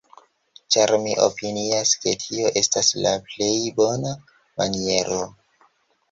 ĉar mi opinias, ke tio estas la plej bona maniero